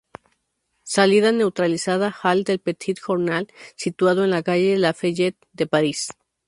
Salida neutralizada: Hall del "Petit journal", situado en la calle Lafayette de París.